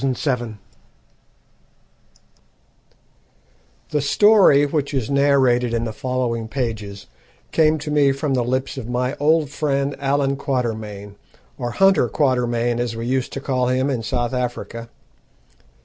Rider Haggard The story which is narrated in the following pages came to me from the lips of my old friend Allan Quatermain, or Hunter Quatermain, as we used to call him in South Africa.